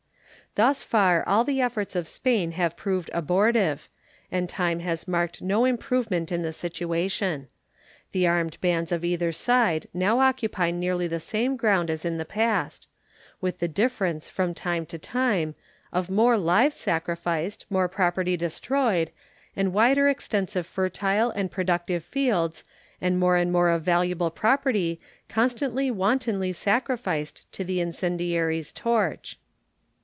Thus far all the efforts of Spain have proved abortive, and time has marked no improvement in the situation. The armed bands of either side now occupy nearly the same ground as in the past, with the difference, from time to time, of more lives sacrificed, more property destroyed, and wider extents of fertile and productive fields and more and more of valuable property constantly wantonly sacrificed to the incendiary's torch.